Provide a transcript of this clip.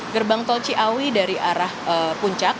gerbang tol ciawi dari arah puncak